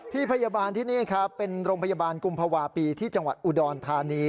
พี่พยาบาลที่นี่ครับเป็นโรงพยาบาลกุมภาวะปีที่จังหวัดอุดรธานี